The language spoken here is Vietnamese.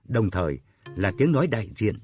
đồng thời là tiếng nói đại diện